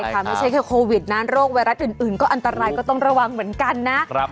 ไม่ใช่แค่โควิดนะโรคไวรัสอื่นก็อันตรายก็ต้องระวังเหมือนกันนะ